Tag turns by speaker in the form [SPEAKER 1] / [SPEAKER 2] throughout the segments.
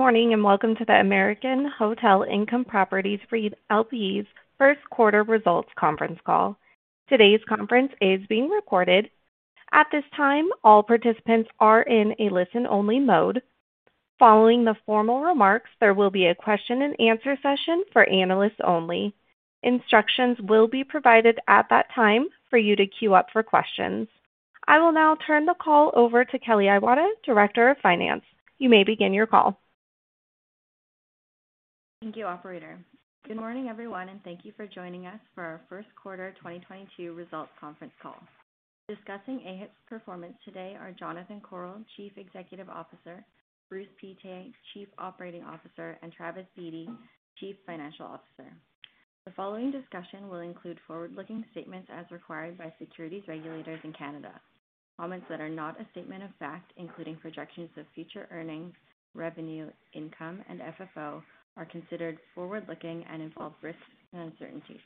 [SPEAKER 1] Good morning, and welcome to the American Hotel Income Properties REIT LP's first quarter results conference call. Today's conference is being recorded. At this time, all participants are in a listen-only mode. Following the formal remarks, there will be a question and answer session for analysts only. Instructions will be provided at that time for you to queue up for questions. I will now turn the call over to Kelly Iwata, Director of Finance. You may begin your call.
[SPEAKER 2] Thank you, operator. Good morning, everyone, and thank you for joining us for our first quarter 2022 results conference call. Discussing AHIP's performance today are Jonathan Korol, Chief Executive Officer, Bruce Pittet, Chief Operating Officer, and Travis Beatty, Chief Financial Officer. The following discussion will include forward-looking statements as required by securities regulators in Canada. Comments that are not a statement of fact, including projections of future earnings, revenue, income, and FFO, are considered forward-looking and involve risks and uncertainties.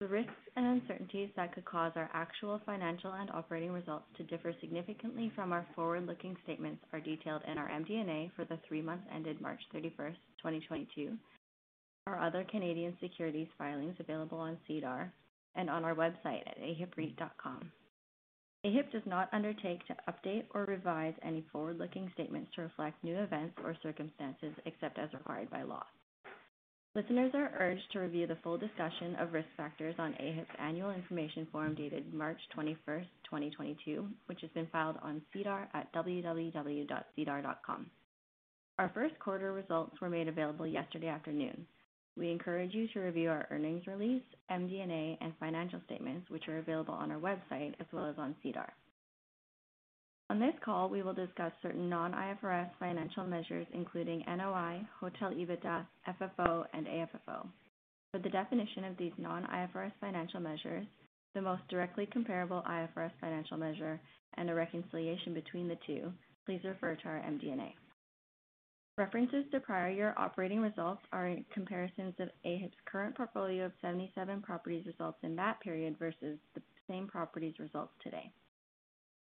[SPEAKER 2] The risks and uncertainties that could cause our actual financial and operating results to differ significantly from our forward-looking statements are detailed in our MD&A for the three months ended March 31st, 2022, or other Canadian securities filings available on SEDAR and on our website at ahipreit.com. AHIP does not undertake to update or revise any forward-looking statements to reflect new events or circumstances except as required by law. Listeners are urged to review the full discussion of risk factors on AHIP's annual information form dated March 21, 2022, which has been filed on SEDAR at www.sedar.com. Our first quarter results were made available yesterday afternoon. We encourage you to review our earnings release, MD&A, and financial statements, which are available on our website as well as on SEDAR. On this call, we will discuss certain non-IFRS financial measures, including NOI, hotel EBITDA, FFO, and AFFO. For the definition of these non-IFRS financial measures, the most directly comparable IFRS financial measure, and a reconciliation between the two, please refer to our MD&A. References to prior year operating results are comparisons of AHIP's current portfolio of 77 properties results in that period versus the same properties results today.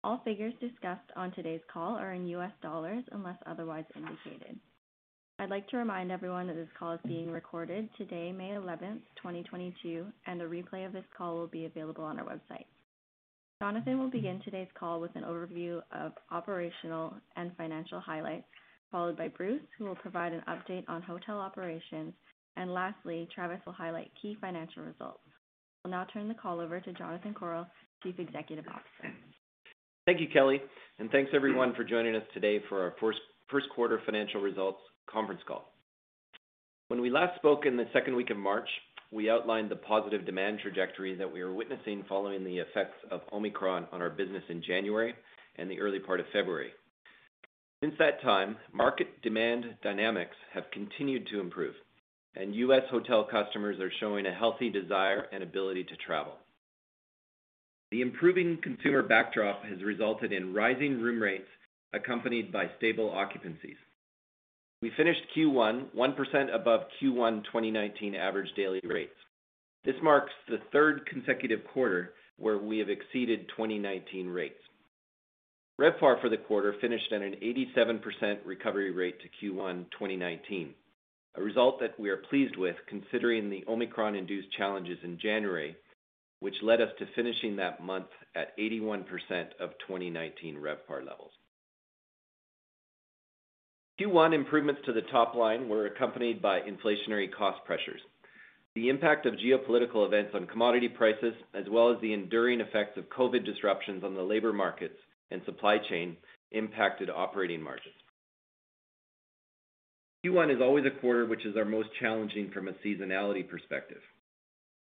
[SPEAKER 2] All figures discussed on today's call are in US dollars, unless otherwise indicated. I'd like to remind everyone that this call is being recorded today, May 11, 2022, and a replay of this call will be available on our website. Jonathan will begin today's call with an overview of operational and financial highlights, followed by Bruce, who will provide an update on hotel operations. Lastly, Travis will highlight key financial results. I will now turn the call over to Jonathan Korol, Chief Executive Officer.
[SPEAKER 3] Thank you, Kelly, and thanks everyone for joining us today for our first quarter financial results conference call. When we last spoke in the second week of March, we outlined the positive demand trajectory that we are witnessing following the effects of Omicron on our business in January and the early part of February. Since that time, market demand dynamics have continued to improve, and U.S. hotel customers are showing a healthy desire and ability to travel. The improving consumer backdrop has resulted in rising room rates accompanied by stable occupancies. We finished Q1 1% above Q1 2019 average daily rates. This marks the third consecutive quarter where we have exceeded 2019 rates. RevPAR for the quarter finished at an 87% recovery rate to Q1 2019, a result that we are pleased with considering the Omicron-induced challenges in January, which led us to finishing that month at 81% of 2019 RevPAR levels. Q1 improvements to the top line were accompanied by inflationary cost pressures. The impact of geopolitical events on commodity prices, as well as the enduring effects of COVID disruptions on the labor markets and supply chain impacted operating margins. Q1 is always a quarter which is our most challenging from a seasonality perspective.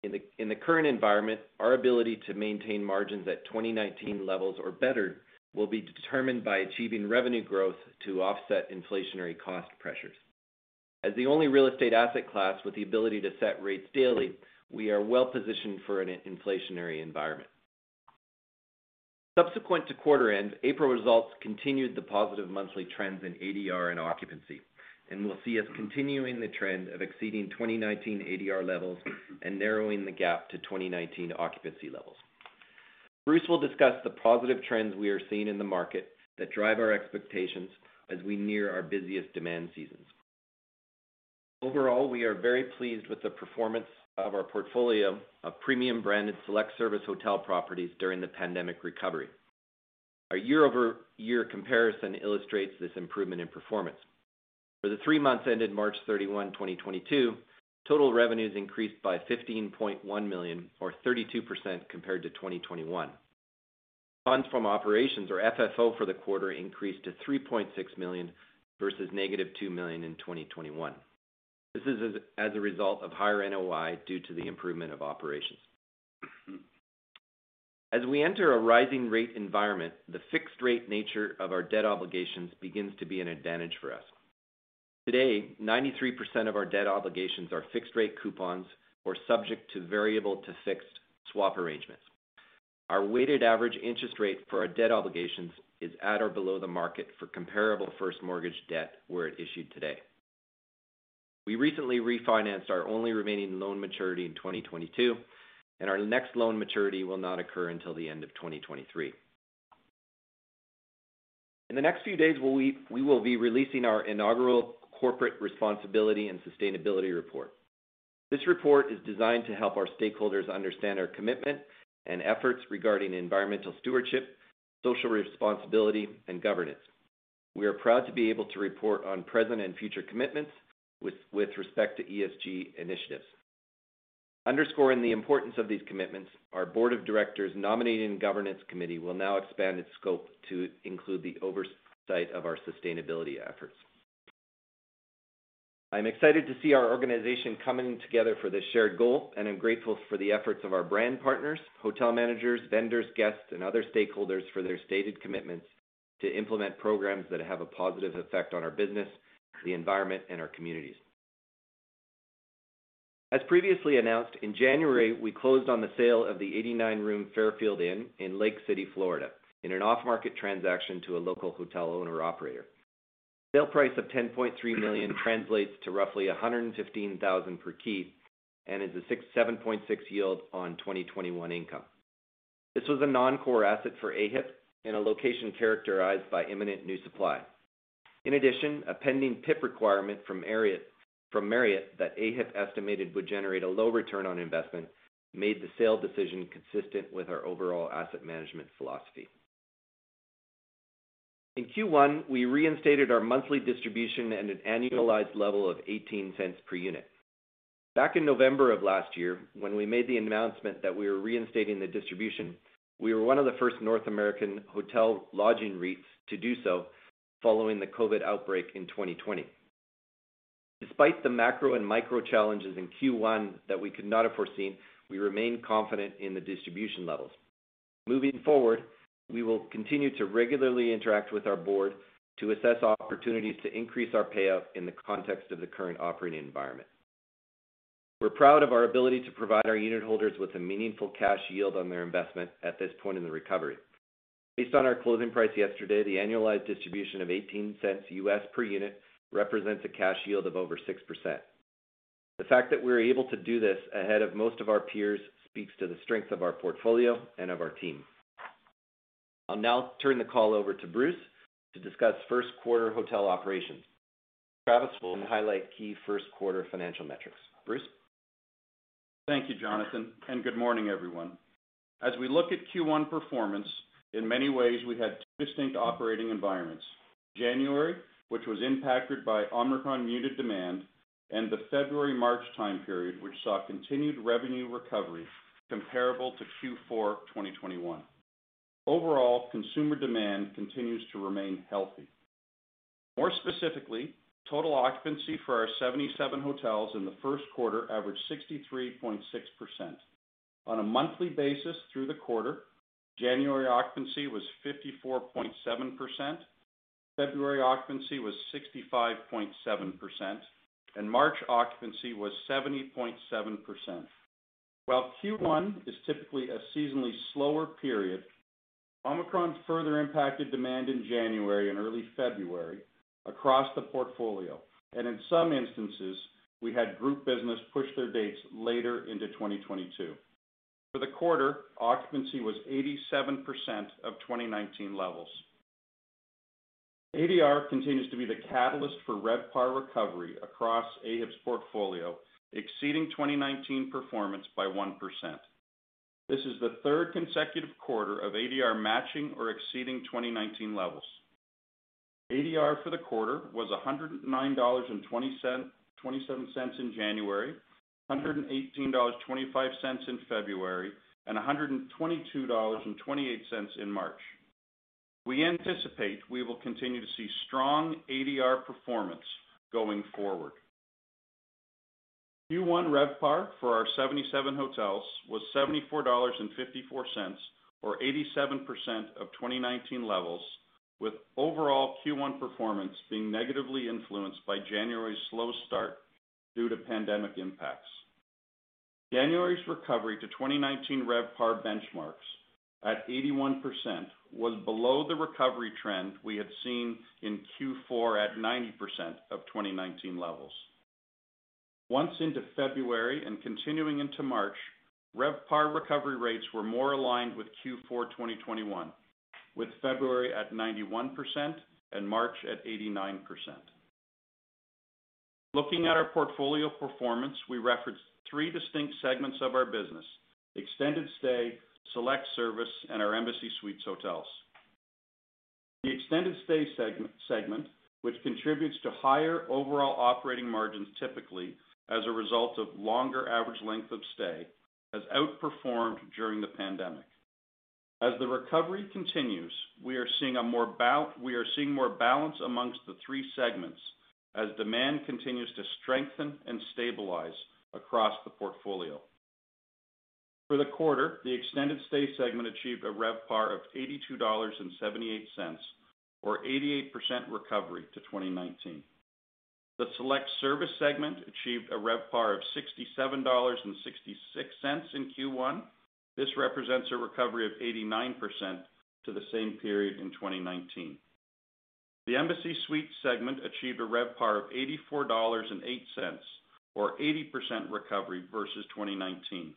[SPEAKER 3] In the current environment, our ability to maintain margins at 2019 levels or better will be determined by achieving revenue growth to offset inflationary cost pressures. As the only real estate asset class with the ability to set rates daily, we are well positioned for an inflationary environment. Subsequent to quarter end, April results continued the positive monthly trends in ADR and occupancy, and will see us continuing the trend of exceeding 2019 ADR levels and narrowing the gap to 2019 occupancy levels. Bruce will discuss the positive trends we are seeing in the market that drive our expectations as we near our busiest demand seasons. Overall, we are very pleased with the performance of our portfolio of premium branded select service hotel properties during the pandemic recovery. Our year-over-year comparison illustrates this improvement in performance. For the three months ended March 31, 2022, total revenues increased by $15.1 million or 32% compared to 2021. Funds from operations or FFO for the quarter increased to $3.6 million versus -$2 million in 2021. This is as a result of higher NOI due to the improvement of operations. As we enter a rising rate environment, the fixed rate nature of our debt obligations begins to be an advantage for us. Today, 93% of our debt obligations are fixed rate coupons or subject to variable-to-fixed swap arrangements. Our weighted average interest rate for our debt obligations is at or below the market for comparable first mortgage debt were it issued today. We recently refinanced our only remaining loan maturity in 2022, and our next loan maturity will not occur until the end of 2023. In the next few days, we will be releasing our inaugural corporate responsibility and sustainability report. This report is designed to help our stakeholders understand our commitment and efforts regarding environmental stewardship, social responsibility, and governance. We are proud to be able to report on present and future commitments with respect to ESG initiatives. Underscoring the importance of these commitments, our board of directors nominating governance committee will now expand its scope to include the oversight of our sustainability efforts. I'm excited to see our organization coming together for this shared goal, and I'm grateful for the efforts of our brand partners, hotel managers, vendors, guests, and other stakeholders for their stated commitments to implement programs that have a positive effect on our business, the environment, and our communities. As previously announced, in January, we closed on the sale of the 89-room Fairfield Inn & Suites in Lake City, Florida, in an off-market transaction to a local hotel owner operator. The sale price of $10.3 million translates to roughly $115,000 per key and is a 6%-7.6% yield on 2021 income. This was a non-core asset for AHIP in a location characterized by imminent new supply. In addition, a pending PIP requirement from Marriott that AHIP estimated would generate a low return on investment made the sale decision consistent with our overall asset management philosophy. In Q1, we reinstated our monthly distribution at an annualized level of $0.18 per unit. Back in November of last year, when we made the announcement that we were reinstating the distribution, we were one of the first North American hotel lodging REITs to do so following the COVID outbreak in 2020. Despite the macro and micro challenges in Q1 that we could not have foreseen, we remain confident in the distribution levels. Moving forward, we will continue to regularly interact with our board to assess opportunities to increase our payout in the context of the current operating environment. We're proud of our ability to provide our unit holders with a meaningful cash yield on their investment at this point in the recovery. Based on our closing price yesterday, the annualized distribution of $0.18 per unit represents a cash yield of over 6%. The fact that we're able to do this ahead of most of our peers speaks to the strength of our portfolio and of our team. I'll now turn the call over to Bruce to discuss first quarter hotel operations. Travis will then highlight key first quarter financial metrics. Bruce?
[SPEAKER 4] Thank you, Jonathan, and good morning, everyone. As we look at Q1 performance, in many ways, we had two distinct operating environments. January, which was impacted by Omicron, muted demand, and the February-March time period, which saw continued revenue recovery comparable to Q4 2021. Overall, consumer demand continues to remain healthy. More specifically, total occupancy for our 77 hotels in the first quarter averaged 63.6%. On a monthly basis through the quarter, January occupancy was 54.7%, February occupancy was 65.7%, and March occupancy was 70.7%. While Q1 is typically a seasonally slower period, Omicron further impacted demand in January and early February across the portfolio. In some instances, we had group business push their dates later into 2022. For the quarter, occupancy was 87% of 2019 levels. ADR continues to be the catalyst for RevPAR recovery across AHIP's portfolio, exceeding 2019 performance by 1%. This is the third consecutive quarter of ADR matching or exceeding 2019 levels. ADR for the quarter was $109.27 in January, $118.25 in February, and $122.28 in March. We anticipate we will continue to see strong ADR performance going forward. Q1 RevPAR for our 77 hotels was $74.54 or 87% of 2019 levels, with overall Q1 performance being negatively influenced by January's slow start due to pandemic impacts. January's recovery to 2019 RevPAR benchmarks at 81% was below the recovery trend we had seen in Q4 at 90% of 2019 levels. Once into February and continuing into March, RevPAR recovery rates were more aligned with Q4 2021, with February at 91% and March at 89%. Looking at our portfolio performance, we referenced three distinct segments of our business: extended stay, select service, and our Embassy Suites hotels. The extended stay segment, which contributes to higher overall operating margins typically as a result of longer average length of stay, has outperformed during the pandemic. As the recovery continues, we are seeing more balance among the three segments as demand continues to strengthen and stabilize across the portfolio. For the quarter, the extended stay segment achieved a RevPAR of $82.78 or 88% recovery to 2019. The select-service segment achieved a RevPAR of $67.66 in Q1. This represents a recovery of 89% to the same period in 2019. The Embassy Suites segment achieved a RevPAR of $84.08, or 80% recovery versus 2019.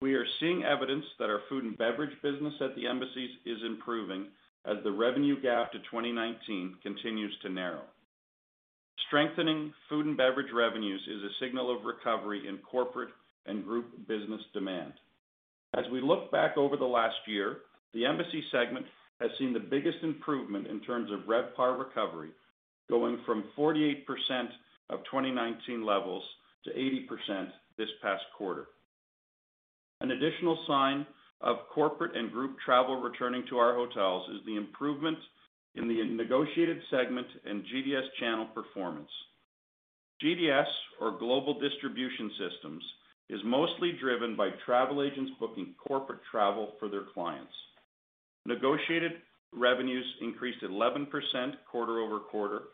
[SPEAKER 4] We are seeing evidence that our food and beverage business at the Embassy Suites is improving as the revenue gap to 2019 continues to narrow. Strengthening food and beverage revenues is a signal of recovery in corporate and group business demand. As we look back over the last year, the Embassy Suites segment has seen the biggest improvement in terms of RevPAR recovery, going from 48% of 2019 levels to 80% this past quarter. An additional sign of corporate and group travel returning to our hotels is the improvement in the negotiated segment and GDS channel performance. GDS or Global Distribution Systems is mostly driven by travel agents booking corporate travel for their clients. Negotiated revenues increased 11% quarter-over-quarter, while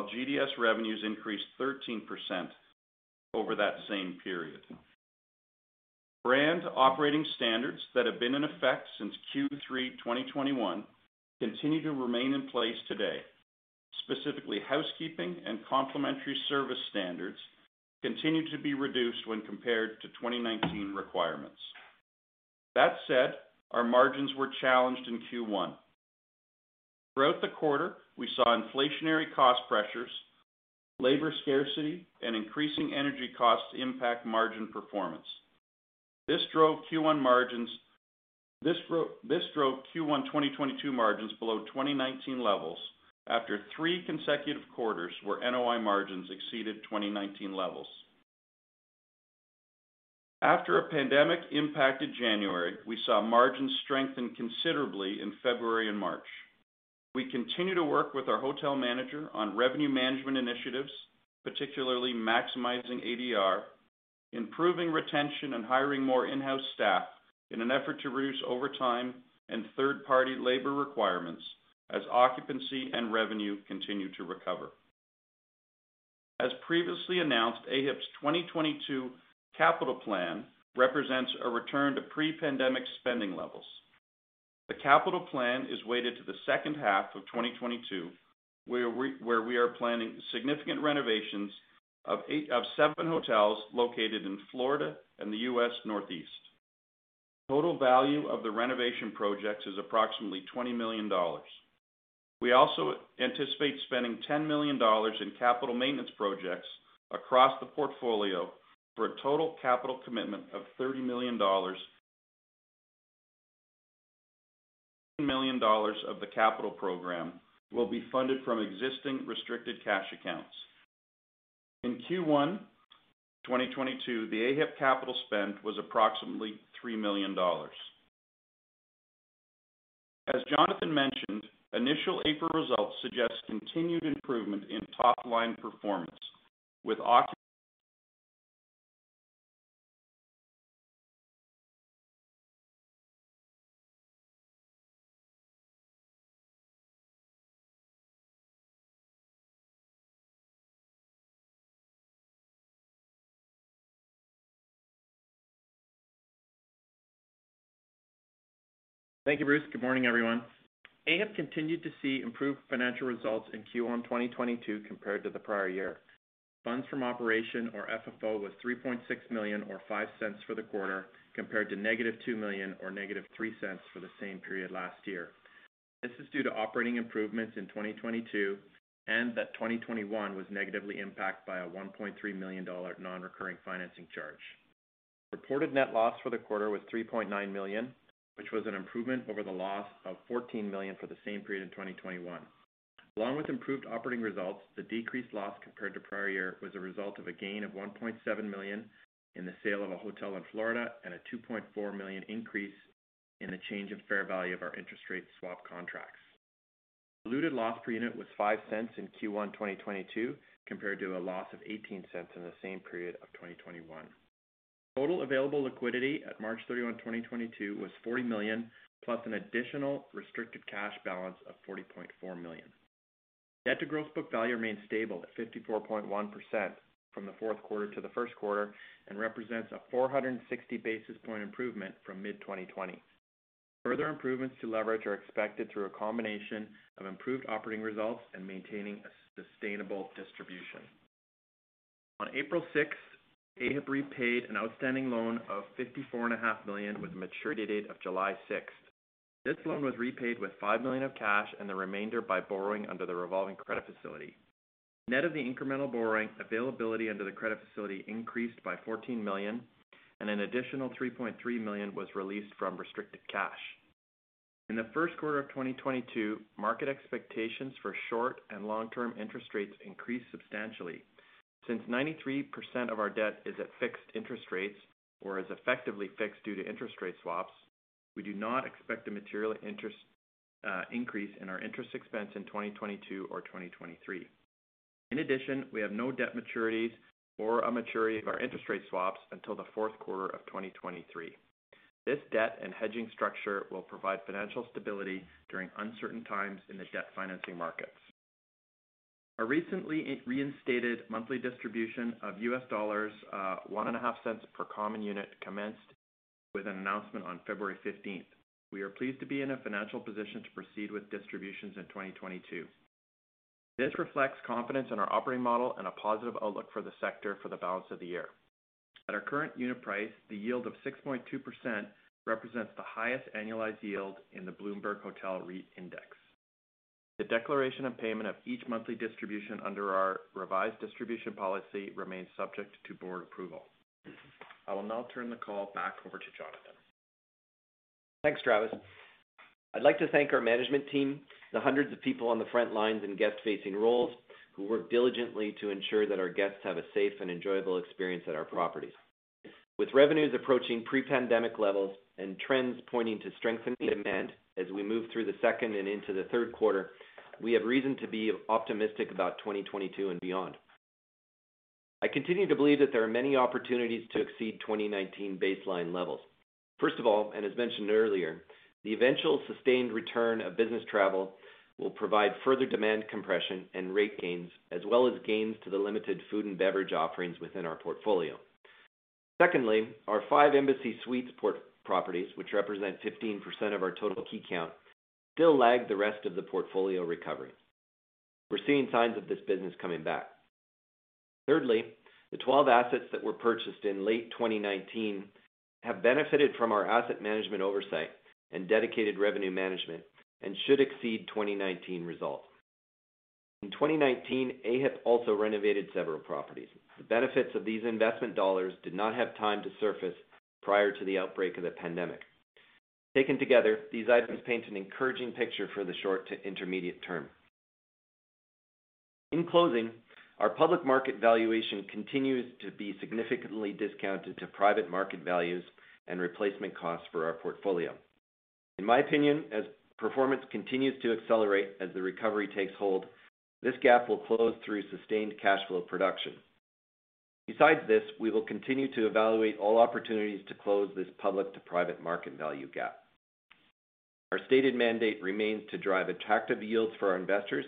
[SPEAKER 4] GDS revenues increased 13% over that same period. Brand operating standards that have been in effect since Q3 2021 continue to remain in place today. Specifically, housekeeping and complimentary service standards continue to be reduced when compared to 2019 requirements. That said, our margins were challenged in Q1. Throughout the quarter, we saw inflationary cost pressures, labor scarcity, and increasing energy costs impact margin performance. This drove Q1 2022 margins below 2019 levels after 3 consecutive quarters where NOI margins exceeded 2019 levels. After a pandemic impacted January, we saw margins strengthen considerably in February and March. We continue to work with our hotel manager on revenue management initiatives, particularly maximizing ADR, improving retention, and hiring more in-house staff in an effort to reduce overtime and third-party labor requirements as occupancy and revenue continue to recover. As previously announced, AHIP's 2022 capital plan represents a return to pre-pandemic spending levels. The capital plan is weighted to the second half of 2022, where we are planning significant renovations of seven hotels located in Florida and the U.S. Northeast. Total value of the renovation projects is approximately $20 million. We also anticipate spending $10 million in capital maintenance projects across the portfolio for a total capital commitment of $30 million. $10 million of the capital program will be funded from existing restricted cash accounts. In Q1 2022, the AHIP capital spend was approximately $3 million. As Jonathan mentioned, initial April results suggest continued improvement in top-line performance.
[SPEAKER 5] Thank you, Bruce. Good morning, everyone. AHIP continued to see improved financial results in Q1 2022 compared to the prior year. Funds from operation or FFO was $3.6 million or $0.05 for the quarter, compared to -$2 million or -$0.03 for the same period last year. This is due to operating improvements in 2022, and that 2021 was negatively impacted by a $1.3 million non-recurring financing charge. Reported net loss for the quarter was $3.9 million, which was an improvement over the loss of $14 million for the same period in 2021. Along with improved operating results, the decreased loss compared to prior year was a result of a gain of $1.7 million in the sale of a hotel in Florida and a $2.4 million increase in the change in fair value of our interest rate swap contracts. Diluted loss per unit was $0.05 in Q1 2022, compared to a loss of $0.18 in the same period of 2021. Total available liquidity at March 31, 2022 was $40 million, plus an additional restricted cash balance of $40.4 million. Debt to gross book value remains stable at 54.1% from the fourth quarter to the first quarter and represents a 460 basis point improvement from mid-2020. Further improvements to leverage are expected through a combination of improved operating results and maintaining a sustainable distribution. On April 6, AHIP repaid an outstanding loan of $54.5 million with a maturity date of July 6. This loan was repaid with $5 million of cash and the remainder by borrowing under the revolving credit facility. Net of the incremental borrowing, availability under the credit facility increased by $14 million, and an additional $3.3 million was released from restricted cash. In the first quarter of 2022, market expectations for short and long-term interest rates increased substantially. Since 93% of our debt is at fixed interest rates or is effectively fixed due to interest rate swaps, we do not expect a material interest increase in our interest expense in 2022 or 2023. In addition, we have no debt maturities or a maturity of our interest rate swaps until the fourth quarter of 2023. This debt and hedging structure will provide financial stability during uncertain times in the debt financing markets. Our recently reinstated monthly distribution of $0.015 per common unit commenced with an announcement on February fifteenth. We are pleased to be in a financial position to proceed with distributions in 2022. This reflects confidence in our operating model and a positive outlook for the sector for the balance of the year. At our current unit price, the yield of 6.2% represents the highest annualized yield in the Bloomberg Hotel REIT Index. The declaration and payment of each monthly distribution under our revised distribution policy remains subject to board approval. I will now turn the call back over to Jonathan.
[SPEAKER 3] Thanks, Travis. I'd like to thank our management team, the hundreds of people on the front lines in guest-facing roles who work diligently to ensure that our guests have a safe and enjoyable experience at our properties. With revenues approaching pre-pandemic levels and trends pointing to strengthening demand as we move through the second and into the third quarter, we have reason to be optimistic about 2022 and beyond. I continue to believe that there are many opportunities to exceed 2019 baseline levels. First of all, as mentioned earlier, the eventual sustained return of business travel will provide further demand compression and rate gains, as well as gains to the limited food and beverage offerings within our portfolio. Secondly, our five Embassy Suites portfolio properties, which represent 15% of our total key count, still lag the rest of the portfolio recovery. We're seeing signs of this business coming back. Thirdly, the 12 assets that were purchased in late 2019 have benefited from our asset management oversight and dedicated revenue management and should exceed 2019 results. In 2019, AHIP also renovated several properties. The benefits of these investment dollars did not have time to surface prior to the outbreak of the pandemic. Taken together, these items paint an encouraging picture for the short to intermediate term. In closing, our public market valuation continues to be significantly discounted to private market values and replacement costs for our portfolio. In my opinion, as performance continues to accelerate as the recovery takes hold, this gap will close through sustained cash flow production. Besides this, we will continue to evaluate all opportunities to close this public to private market value gap. Our stated mandate remains to drive attractive yields for our investors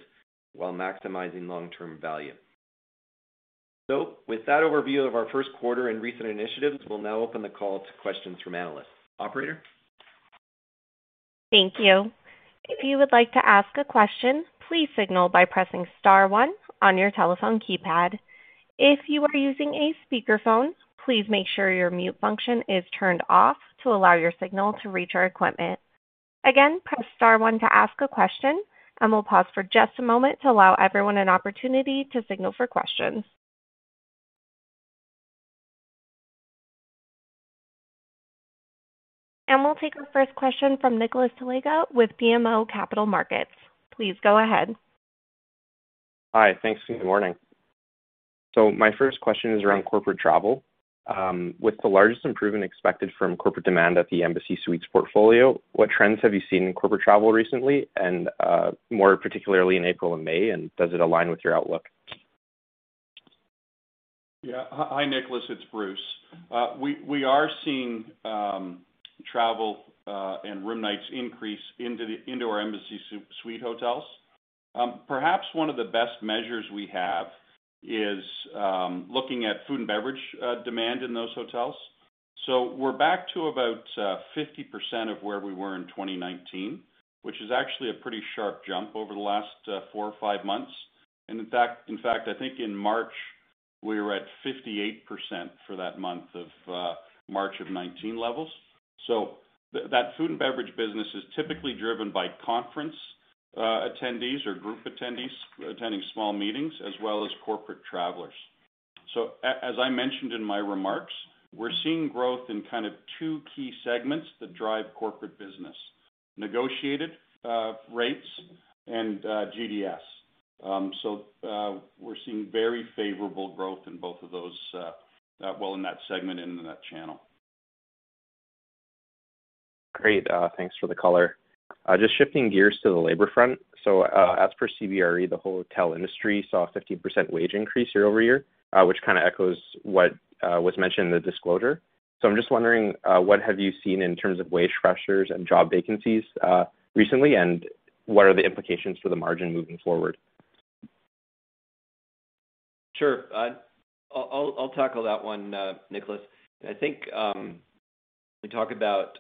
[SPEAKER 3] while maximizing long-term value. With that overview of our first quarter and recent initiatives, we'll now open the call to questions from analysts. Operator?
[SPEAKER 1] Thank you. If you would like to ask a question, please signal by pressing star one on your telephone keypad. If you are using a speakerphone, please make sure your mute function is turned off to allow your signal to reach our equipment. Again, press star one to ask a question, and we'll pause for just a moment to allow everyone an opportunity to signal for questions. We'll take our first question from Nicholas Talaga with BMO Capital Markets. Please go ahead.
[SPEAKER 6] Hi. Thanks, and good morning. My first question is around corporate travel. With the largest improvement expected from corporate demand at the Embassy Suites portfolio, what trends have you seen in corporate travel recently, and, more particularly in April and May, and does it align with your outlook?
[SPEAKER 4] Yeah. Hi, Nicholas. It's Bruce. We are seeing travel and room nights increase into our Embassy Suites hotels. Perhaps one of the best measures we have is looking at food and beverage demand in those hotels. We're back to about 50% of where we were in 2019, which is actually a pretty sharp jump over the last four or five months. In fact, I think in March, we were at 58% for that month of March 2019 levels. That food and beverage business is typically driven by conference attendees or group attendees attending small meetings, as well as corporate travelers. As I mentioned in my remarks, we're seeing growth in kind of two key segments that drive corporate business, negotiated rates and GDS. We're seeing very favorable growth in both of those, well, in that segment and in that channel.
[SPEAKER 6] Great. Thanks for the color. Just shifting gears to the labor front. As per CBRE, the whole hotel industry saw a 15% wage increase year-over-year, which kind of echoes what was mentioned in the disclosure. I'm just wondering what have you seen in terms of wage pressures and job vacancies recently, and what are the implications for the margin moving forward?
[SPEAKER 3] Sure. I'll tackle that one, Nicholas. I think, when we talk about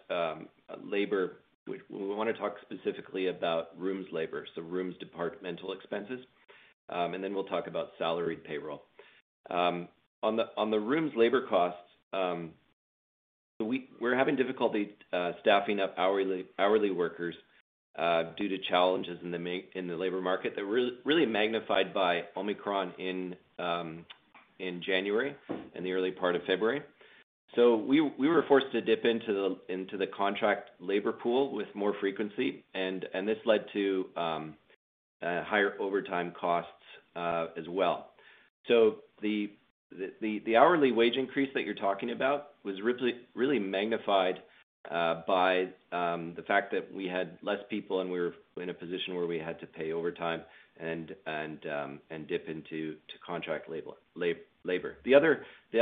[SPEAKER 3] labor, we wanna talk specifically about rooms labor, so rooms departmental expenses, and then we'll talk about salaried payroll. On the rooms labor costs, we're having difficulty staffing up hourly workers due to challenges in the labor market that were really magnified by Omicron in January and the early part of February. We were forced to dip into the contract labor pool with more frequency and this led to higher overtime costs, as well. The hourly wage increase that you're talking about was really magnified by the fact that we had less people and we were in a position where we had to pay overtime and dip into contract labor. The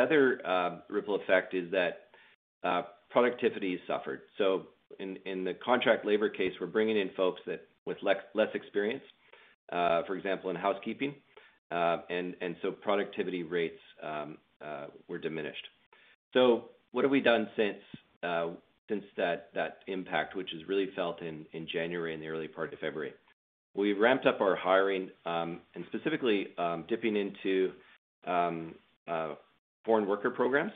[SPEAKER 3] other ripple effect is that productivity suffered. In the contract labor case, we're bringing in folks that with less experience, for example, in housekeeping. And so productivity rates were diminished. What have we done since that impact, which is really felt in January and the early part of February? We ramped up our hiring and specifically dipping into foreign worker programs,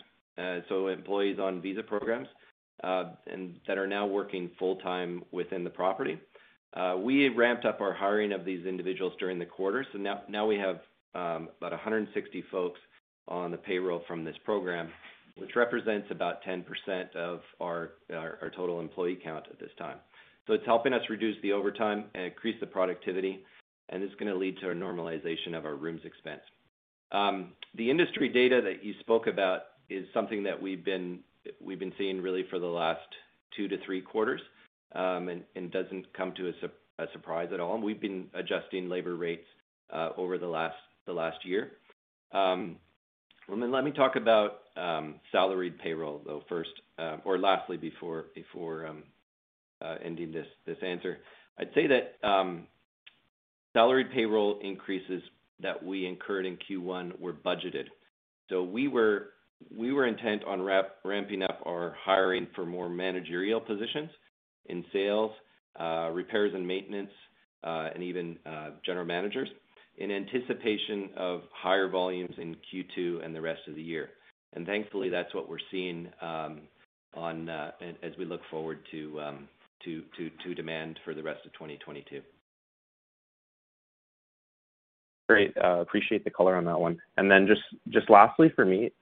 [SPEAKER 3] so employees on visa programs and that are now working full-time within the property. We ramped up our hiring of these individuals during the quarter. Now we have about 160 folks on the payroll from this program, which represents about 10% of our total employee count at this time. It's helping us reduce the overtime and increase the productivity, and it's gonna lead to a normalization of our rooms expense. The industry data that you spoke about is something that we've been seeing really for the last 2 to 3 quarters, and doesn't come to us as a surprise at all. We've been adjusting labor rates over the last year. Well, let me talk about salaried payroll, though, first, or lastly before ending this answer. I'd say that salaried payroll increases that we incurred in Q1 were budgeted. We were intent on ramping up our hiring for more managerial positions in sales, repairs and maintenance, and even general managers in anticipation of higher volumes in Q2 and the rest of the year. Thankfully, that's what we're seeing, as we look forward to demand for the rest of 2022.
[SPEAKER 6] Great. Appreciate the color on that one. Just lastly for me,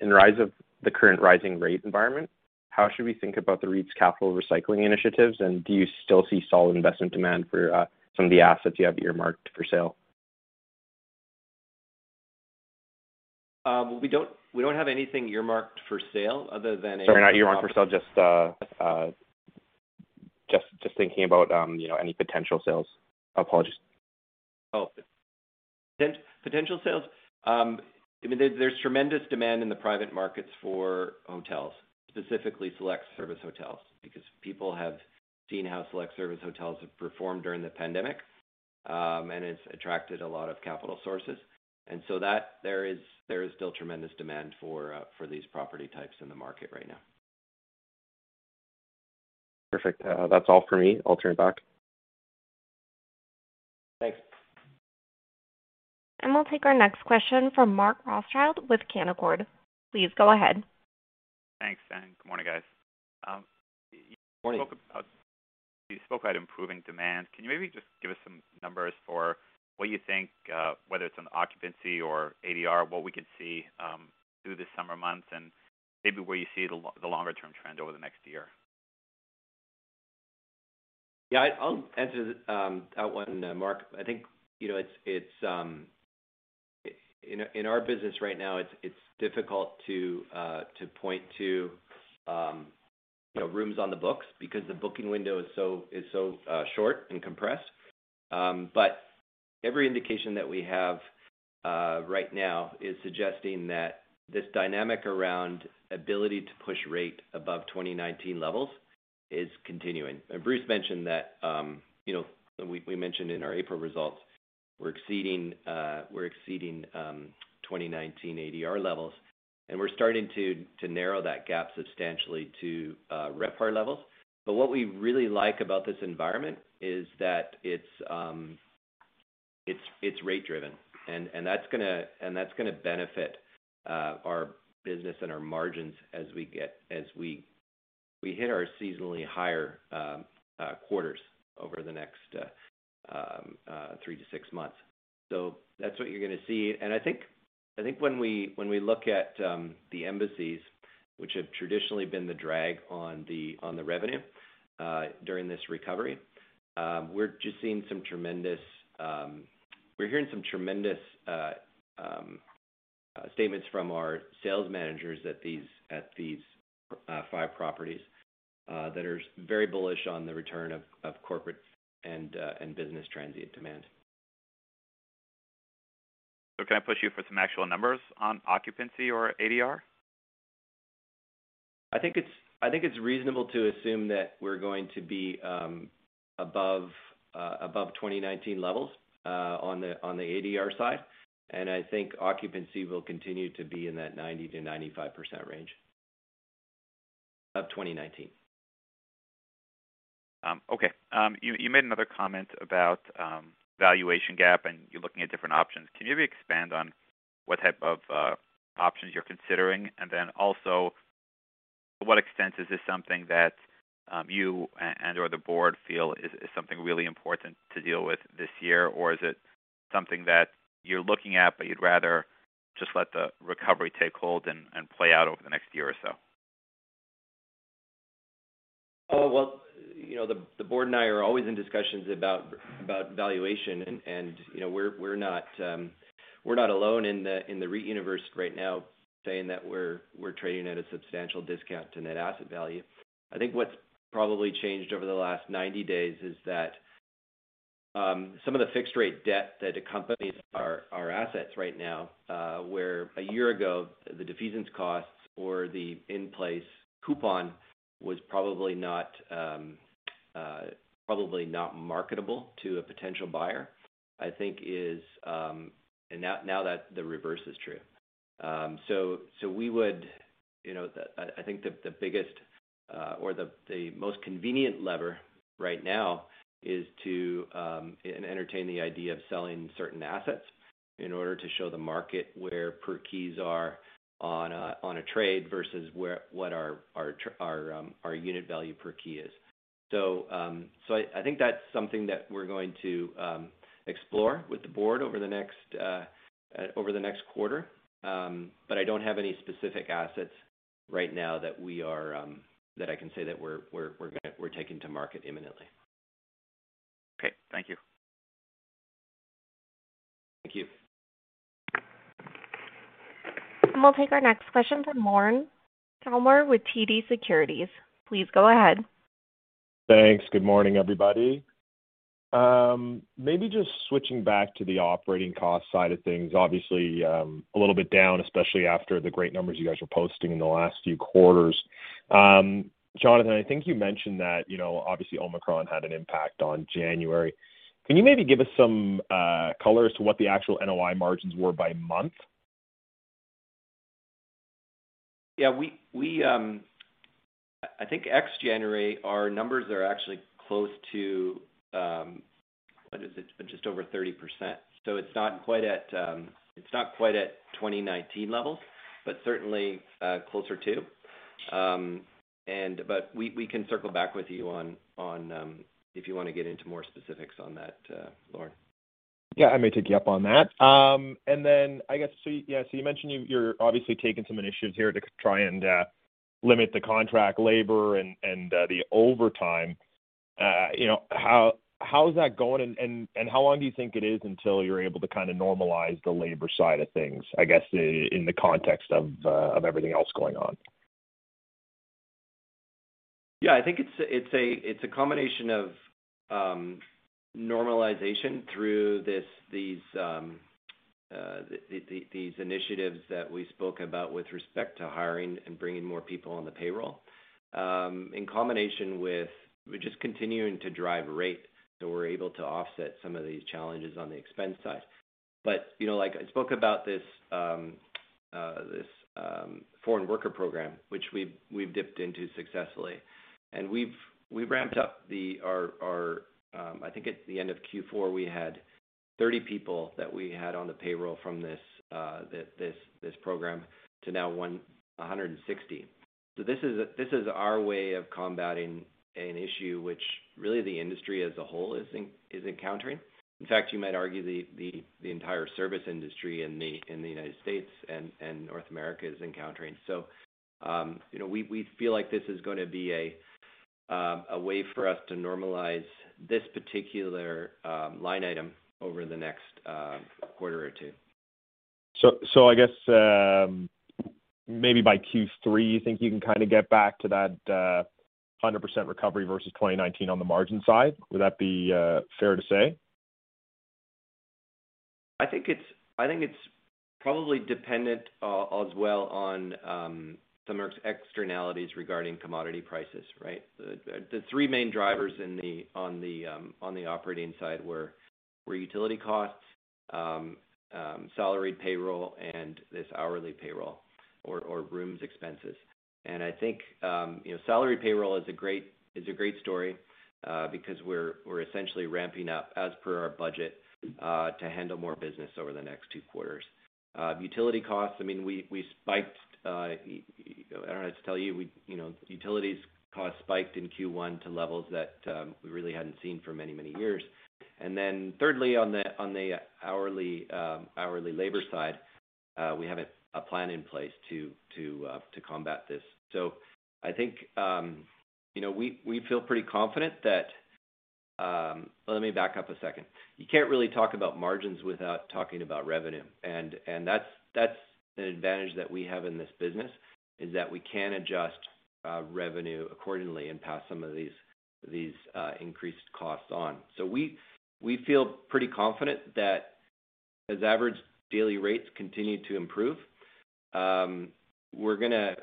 [SPEAKER 6] in light of the current rising rate environment, how should we think about the REIT's capital recycling initiatives? Do you still see solid investment demand for some of the assets you have earmarked for sale?
[SPEAKER 3] We don't have anything earmarked for sale.
[SPEAKER 6] Sorry, not earmarked for sale, just thinking about, you know, any potential sales. Apologies.
[SPEAKER 3] Potential sales. I mean, there's tremendous demand in the private markets for hotels, specifically select service hotels, because people have seen how select service hotels have performed during the pandemic, and it's attracted a lot of capital sources that there is still tremendous demand for these property types in the market right now.
[SPEAKER 6] Perfect. That's all for me. I'll turn it back.
[SPEAKER 3] Thanks.
[SPEAKER 1] We'll take our next question from Mark Rothschild with Canaccord. Please go ahead.
[SPEAKER 7] Thanks, and good morning, guys.
[SPEAKER 3] Morning.
[SPEAKER 7] You spoke about improving demand. Can you maybe just give us some numbers for what you think, whether it's on occupancy or ADR, what we could see through the summer months and maybe where you see the longer term trend over the next year?
[SPEAKER 3] Yeah, I'll answer this, that one, Mark. I think, you know, it's in our business right now, it's difficult to point to, you know, rooms on the books because the booking window is so short and compressed. Every indication that we have right now is suggesting that this dynamic around ability to push rate above 2019 levels is continuing. Bruce mentioned that, you know, we mentioned in our April results, we're exceeding 2019 ADR levels, and we're starting to narrow that gap substantially to RevPAR levels. What we really like about this environment is that it's rate driven, and that's gonna benefit our business and our margins as we hit our seasonally higher quarters over the next 3-6 months. That's what you're gonna see. I think when we look at the Embassy Suites, which have traditionally been the drag on the revenue during this recovery, we're hearing some tremendous statements from our sales managers at these five properties that are very bullish on the return of corporate and business transient demand.
[SPEAKER 7] Can I push you for some actual numbers on occupancy or ADR?
[SPEAKER 3] I think it's reasonable to assume that we're going to be above 2019 levels on the ADR side. I think occupancy will continue to be in that 90%-95% range of 2019.
[SPEAKER 7] Okay. You made another comment about valuation gap, and you're looking at different options. Can you maybe expand on what type of options you're considering? And then also, to what extent is this something that you and/or the board feel is something really important to deal with this year? Or is it something that you're looking at, but you'd rather just let the recovery take hold and play out over the next year or so?
[SPEAKER 3] Well, you know, the board and I are always in discussions about valuation and, you know, we're not alone in the REIT universe right now saying that we're trading at a substantial discount to net asset value. I think what's probably changed over the last 90 days is that some of the fixed rate debt that accompanies our assets right now, where a year ago the defeasance costs or the in-place coupon was probably not marketable to a potential buyer, I think is and now that the reverse is true. We would, you know, I think the biggest or the most convenient lever right now is to entertain the idea of selling certain assets in order to show the market where per keys are on a trade versus what our unit value per key is. I think that's something that we're going to explore with the board over the next quarter. I don't have any specific assets right now that I can say that we're gonna take to market imminently.
[SPEAKER 8] Okay. Thank you.
[SPEAKER 3] Thank you.
[SPEAKER 1] We'll take our next question from Lorne Kalmar with TD Securities. Please go ahead.
[SPEAKER 9] Thanks. Good morning, everybody. Maybe just switching back to the operating cost side of things, obviously, a little bit down, especially after the great numbers you guys were posting in the last few quarters. Jonathan, I think you mentioned that, you know, obviously Omicron had an impact on January. Can you maybe give us some color as to what the actual NOI margins were by month?
[SPEAKER 3] I think ex January, our numbers are actually close to what is it? Just over 30%. It's not quite at 2019 levels, but certainly closer to. We can circle back with you on if you wanna get into more specifics on that, Lorne.
[SPEAKER 9] Yeah, I may take you up on that. I guess, yeah, so you mentioned you're obviously taking some initiatives here to try and limit the contract labor and the overtime. You know, how is that going and how long do you think it is until you're able to kinda normalize the labor side of things, I guess, in the context of everything else going on?
[SPEAKER 3] Yeah. I think it's a combination of normalization through these initiatives that we spoke about with respect to hiring and bringing more people on the payroll, in combination with just continuing to drive rate, so we're able to offset some of these challenges on the expense side. You know, like I spoke about this foreign worker program, which we've dipped into successfully. We've ramped up. I think at the end of Q4, we had 30 people that we had on the payroll from this program to now 160. So this is our way of combating an issue which really the industry as a whole is encountering. In fact, you might argue the entire service industry in the United States and North America is encountering. You know, we feel like this is gonna be a way for us to normalize this particular line item over the next quarter or two.
[SPEAKER 9] I guess, maybe by Q3, you think you can kinda get back to that 100% recovery versus 2019 on the margin side? Would that be fair to say?
[SPEAKER 3] I think it's probably dependent as well on some externalities regarding commodity prices, right? The three main drivers on the operating side were utility costs, salaried payroll and hourly payroll or room expenses. I think you know, salaried payroll is a great story because we're essentially ramping up as per our budget to handle more business over the next two quarters. Utility costs, I mean, we spiked. I don't know how to tell you. We you know, utility costs spiked in Q1 to levels that we really hadn't seen for many years. Then thirdly, on the hourly labor side, we have a plan in place to combat this. I think, you know, we feel pretty confident that. Let me back up a second. You can't really talk about margins without talking about revenue, and that's an advantage that we have in this business, is that we can adjust revenue accordingly and pass some of these increased costs on. We feel pretty confident that as average daily rates continue to improve, we're gonna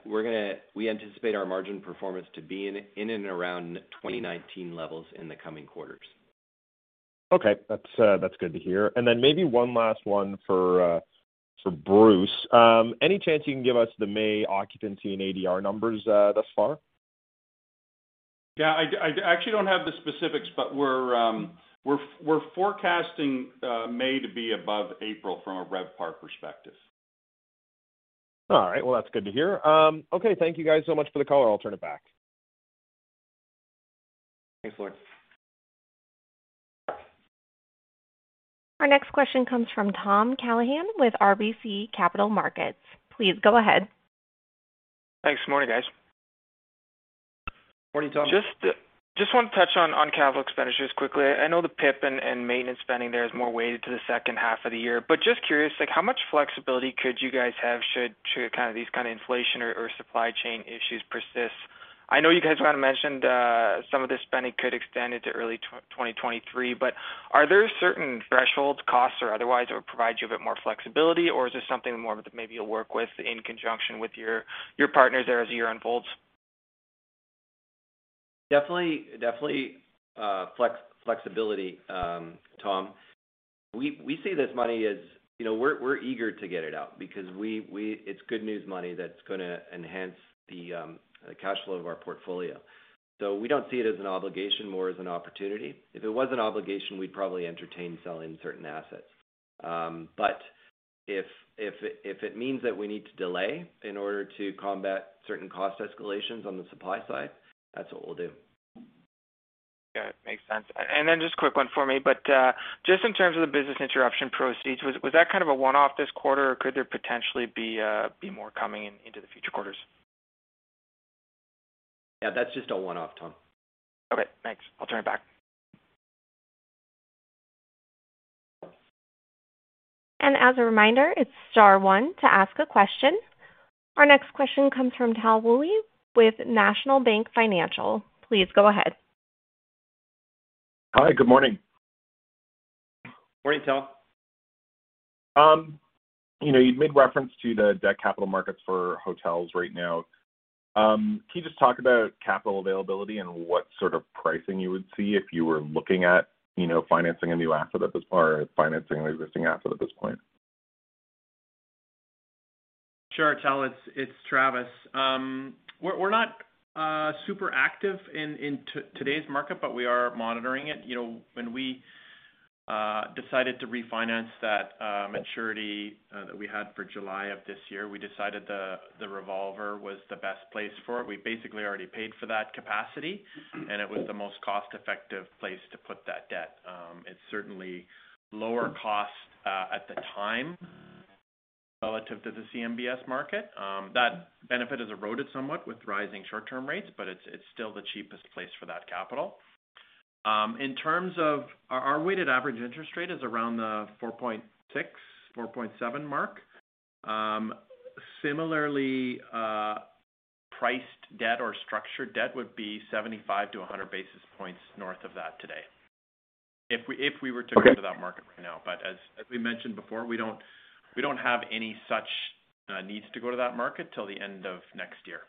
[SPEAKER 3] anticipate our margin performance to be in and around 2019 levels in the coming quarters.
[SPEAKER 9] Okay. That's good to hear. Maybe one last one for Bruce. Any chance you can give us the May occupancy and ADR numbers, thus far?
[SPEAKER 4] Yeah. I actually don't have the specifics, but we're forecasting May to be above April from a RevPAR perspective.
[SPEAKER 9] All right. Well, that's good to hear. Okay, thank you guys so much for the call. I'll turn it back.
[SPEAKER 3] Thanks, Lorne.
[SPEAKER 1] Our next question comes from Tom Callaghan with RBC Capital Markets. Please go ahead.
[SPEAKER 8] Thanks. Morning, guys.
[SPEAKER 3] Morning, Tom.
[SPEAKER 8] Just want to touch on capital expenditures quickly. I know the PIP and maintenance spending there is more weighted to the second half of the year. Just curious, like, how much flexibility could you guys have should kind of these kind of inflation or supply chain issues persist. I know you guys kind of mentioned some of the spending could extend into early 2023. Are there certain thresholds, costs or otherwise, that would provide you a bit more flexibility? Or is this something more that maybe you'll work with in conjunction with your partners there as the year unfolds?
[SPEAKER 3] Definitely, flexibility, Tom. We see this money as you know, we're eager to get it out because it's good news money that's gonna enhance the cash flow of our portfolio. We don't see it as an obligation, more as an opportunity. If it was an obligation, we'd probably entertain selling certain assets. If it means that we need to delay in order to combat certain cost escalations on the supply side, that's what we'll do.
[SPEAKER 8] Yeah, makes sense. Just a quick one for me. Just in terms of the business interruption proceeds, was that kind of a one-off this quarter or could there potentially be more coming in into the future quarters?
[SPEAKER 3] Yeah, that's just a one-off, Tom.
[SPEAKER 8] Okay, thanks. I'll turn it back.
[SPEAKER 1] As a reminder, it's star one to ask a question. Our next question comes from Tal Woolley with National Bank Financial. Please go ahead.
[SPEAKER 10] Hi. Good morning.
[SPEAKER 3] Morning, Tal.
[SPEAKER 10] You know, you've made reference to the debt capital markets for hotels right now. Can you just talk about capital availability and what sort of pricing you would see if you were looking at, you know, financing a new asset at this point or financing an existing asset at this point?
[SPEAKER 3] Sure, Tal. It's Travis. We're not super active in today's market, but we are monitoring it. You know, when we decided to refinance that maturity that we had for July of this year, we decided the revolver was the best place for it. We basically already paid for that capacity, and it was the most cost-effective place to put that debt. It's certainly lower cost at the time relative to the CMBS market. That benefit has eroded somewhat with rising short-term rates, but it's still the cheapest place for that capital. Our weighted average interest rate is around the 4.6%-4.7% mark. Similarly, priced debt or structured debt would be 75-100 basis points north of that today if we were to.
[SPEAKER 10] Okay...
[SPEAKER 3] go to that market right now. As we mentioned before, we don't have any such needs to go to that market till the end of next year.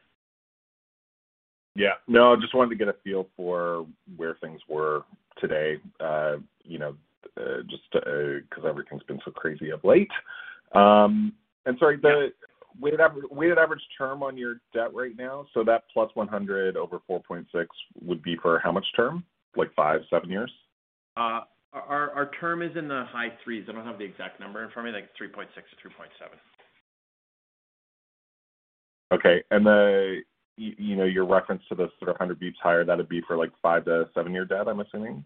[SPEAKER 10] Yeah. No, I just wanted to get a feel for where things were today, you know, just, 'cause everything's been so crazy of late. Sorry, the weighted average term on your debt right now, so that plus 100 over 4.6 would be for how much term? Like 5, 7 years?
[SPEAKER 3] Our term is in the high threes. I don't have the exact number in front of me, like 3.6%-3.7%.
[SPEAKER 10] Okay. You know, your reference to the sort of 100 BPs higher, that'd be for like 5-7 year debt, I'm assuming?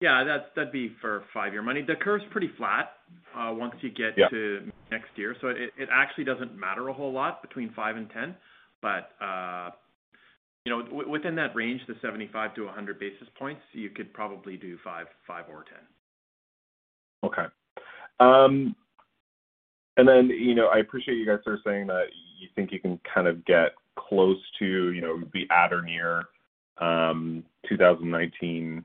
[SPEAKER 3] Yeah, that'd be for five-year money. The curve's pretty flat once you get-
[SPEAKER 10] Yeah
[SPEAKER 3] It actually doesn't matter a whole lot between 5 and 10. You know, within that range, the 75-100 basis points, you could probably do 5 or 10.
[SPEAKER 10] Okay. You know, I appreciate you guys are saying that you think you can kind of get close to, you know, be at or near, 2019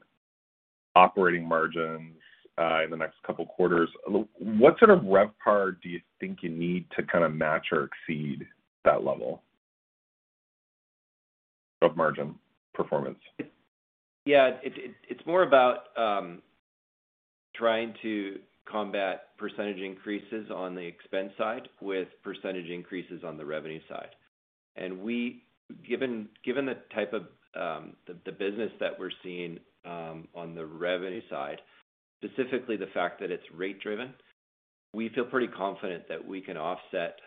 [SPEAKER 10] operating margins, in the next couple quarters. What sort of RevPAR do you think you need to kind of match or exceed that level of margin performance?
[SPEAKER 3] It's more about trying to combat percentage increases on the expense side with percentage increases on the revenue side. Given the type of business that we're seeing on the revenue side, specifically the fact that it's rate driven, we feel pretty confident that we can offset,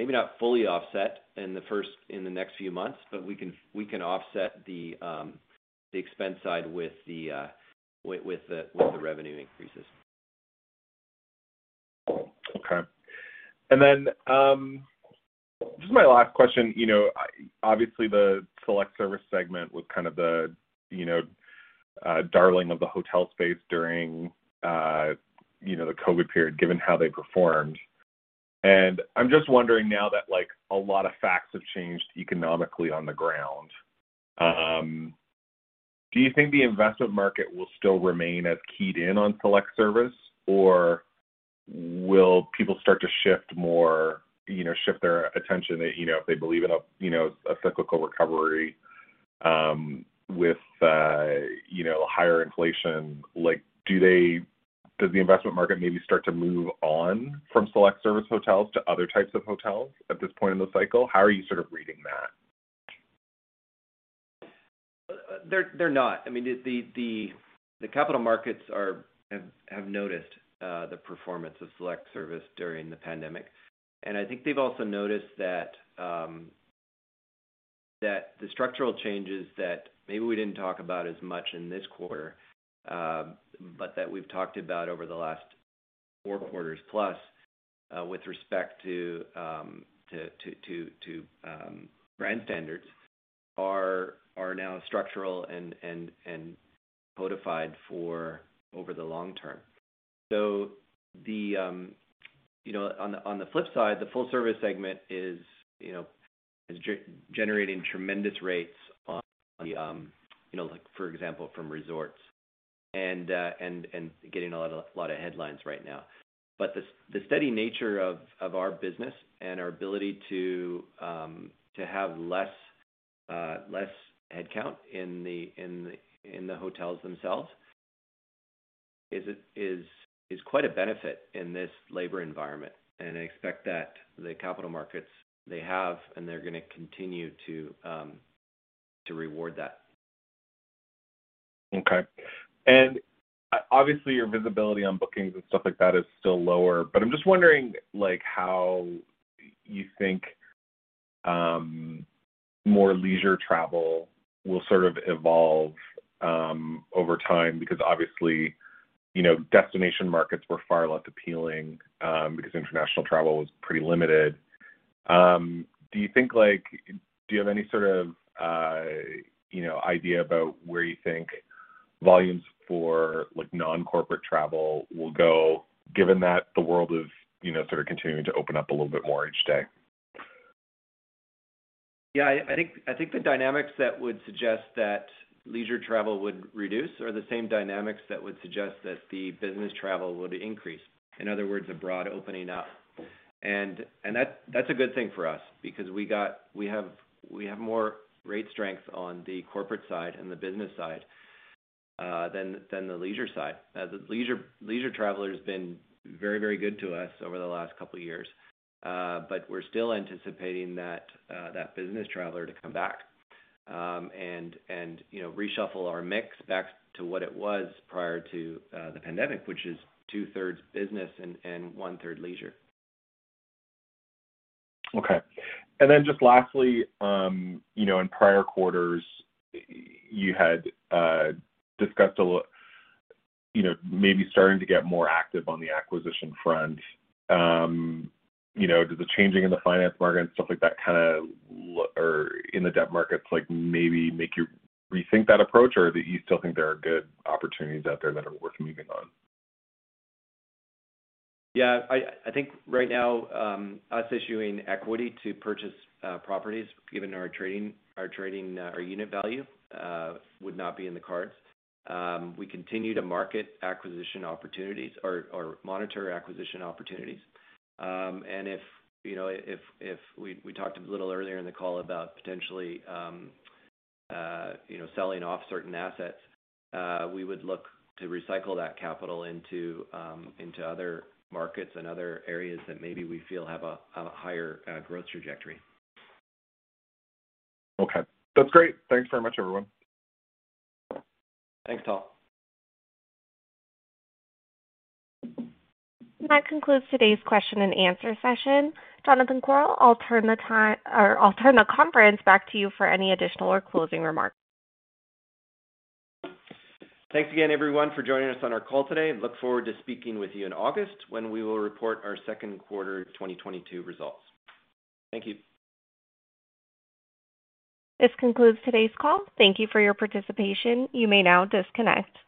[SPEAKER 3] maybe not fully offset in the next few months, but we can offset the expense side with the revenue increases.
[SPEAKER 10] Okay. Just my last question. You know, obviously, the select-service segment was kind of the darling of the hotel space during the COVID period, given how they performed. I'm just wondering now that, like, a lot of facts have changed economically on the ground, do you think the investment market will still remain as keyed in on select-service, or will people start to shift more, you know, shift their attention, you know, if they believe in a cyclical recovery with higher inflation? Like, Does the investment market maybe start to move on from select-service hotels to other types of hotels at this point in the cycle? How are you sort of reading that?
[SPEAKER 3] They're not. The capital markets have noticed the performance of select-service during the pandemic. I think they've also noticed that the structural changes that maybe we didn't talk about as much in this quarter, but that we've talked about over the last four quarters plus, with respect to brand standards are now structural and codified for over the long term. You know, on the flip side, the full-service segment is generating tremendous rates, you know, like for example, from resorts and getting a lot of headlines right now. The steady nature of our business and our ability to have less headcount in the hotels themselves is quite a benefit in this labor environment. I expect that the capital markets, they have and they're gonna continue to reward that.
[SPEAKER 10] Okay. Obviously, your visibility on bookings and stuff like that is still lower, but I'm just wondering like how you think more leisure travel will sort of evolve over time, because obviously, you know, destination markets were far less appealing because international travel was pretty limited. Do you think like? Do you have any sort of, you know, idea about where you think volumes for like non-corporate travel will go given that the world is, you know, sort of continuing to open up a little bit more each day?
[SPEAKER 3] Yeah. I think the dynamics that would suggest that leisure travel would reduce are the same dynamics that would suggest that the business travel would increase. In other words, a broad opening up. That's a good thing for us because we have more rate strength on the corporate side and the business side than the leisure side. The leisure traveler has been very good to us over the last couple years, but we're still anticipating that business traveler to come back, and you know, reshuffle our mix back to what it was prior to the pandemic, which is two-thirds business and one-third leisure.
[SPEAKER 10] Okay. Just lastly, you know, in prior quarters you had discussed, you know, maybe starting to get more active on the acquisition front. You know, does the changes in the financing market and stuff like that, or in the debt markets, like maybe make you rethink that approach, or do you still think there are good opportunities out there that are worth moving on?
[SPEAKER 3] Yeah. I think right now, us issuing equity to purchase properties, given our trading, our unit value, would not be in the cards. We continue to market acquisition opportunities or monitor acquisition opportunities. If you know, if we talked a little earlier in the call about potentially, you know, selling off certain assets, we would look to recycle that capital into other markets and other areas that maybe we feel have a higher growth trajectory.
[SPEAKER 10] Okay. That's great. Thanks very much, everyone.
[SPEAKER 3] Thanks, Tom.
[SPEAKER 1] That concludes today's question and answer session. Jonathan Korol, I'll turn the conference back to you for any additional or closing remarks.
[SPEAKER 3] Thanks again, everyone, for joining us on our call today. Look forward to speaking with you in August when we will report our second quarter 2022 results. Thank you.
[SPEAKER 1] This concludes today's call. Thank you for your participation. You may now disconnect.